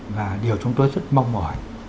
và điều chúng tôi rất mong mỏi